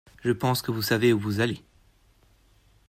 Je pense que vous savez où vous allez.